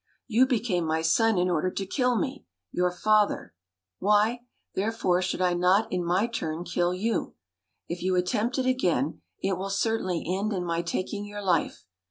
You became my son in order to kill me, your father; why, therefore, should I not in my turn kill you? If you attempt it again, it will certainly end in my taking your life.